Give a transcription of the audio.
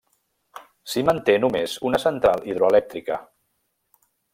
S'hi manté només una central hidroelèctrica.